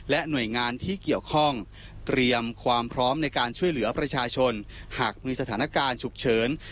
หน่วยงานที่เกี่ยวข้องเตรียมความพร้อมในการช่วยเหลือประชาชนหากมีสถานการณ์ฉุกเฉิน